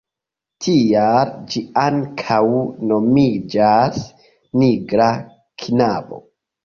Tial ĝi ankaŭ nomiĝas „nigra knabo“.